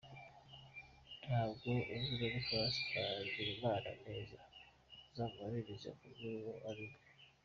-Ntabwo uzi Boniface Twagirimana neza uzamubaririze bakubwire uwo ari we.